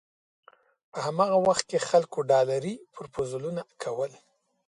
په هماغه وخت کې خلکو ډالري پروپوزلونه کول.